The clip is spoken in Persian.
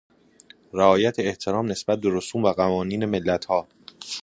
رعایت احترام نسبت به رسوم و قوانین ملتها